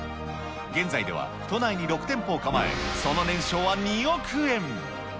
現在では都内に６店舗を構え、その年商は２億円。